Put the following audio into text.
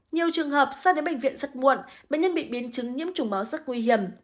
nhiều trường hợp sang đến bệnh viện rất muộn bệnh nhân bị biến chứng nhiễm trùng máu rất nguy hiểm